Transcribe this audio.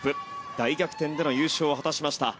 大逆転での優勝を果たしました。